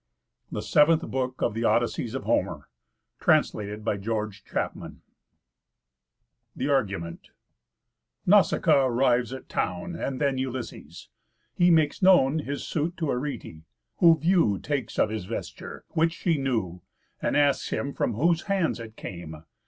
THE SEVENTH BOOK OF HOMER'S ODYSSEYS THE ARGUMENT Nausicaa arrives at town; And then Ulysses. He makes known His suit to Arete: who view Takes of his vesture, which she knew, And asks him from whose hands it came.